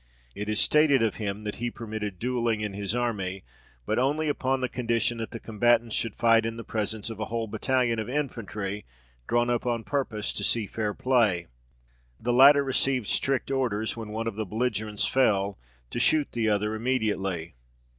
It is stated of him that he permitted duelling in his army, but only upon the condition that the combatants should fight in presence of a whole battalion of infantry, drawn up on purpose to see fair play. The latter received strict orders, when one of the belligerents fell, to shoot the other immediately.